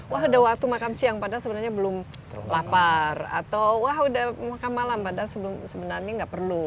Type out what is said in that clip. wah udah waktu makan siang padahal sebenarnya belum lapar atau wah udah makan malam padahal sebenarnya nggak perlu